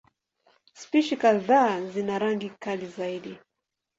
Spishi kadhaa zina rangi kali zaidi.